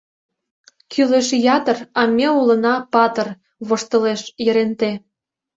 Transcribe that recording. — Кӱлеш ятыр, а ме улына патыр, — воштылеш Еренте.